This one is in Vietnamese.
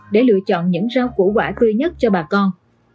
để lựa chọn những rau củ quả tươi nhất cho bà con